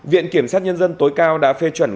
viện kiểm sát nhân dân tối cao đã phê chuẩn